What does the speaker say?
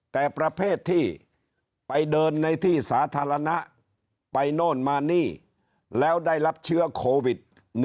แต่ประเภทที่ไปเดินในที่สาธารณะไปโน่นมานี่แล้วได้รับเชื้อโควิด๑๙